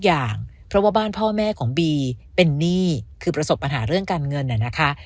อย่างเพราะว่าบ้านพ่อแม่ของบีเป็นหนี้คือประสบปัญหา